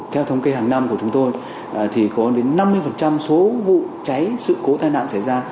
theo thống kê hàng năm của chúng tôi thì có đến năm mươi số vụ cháy sự cố tai nạn xảy ra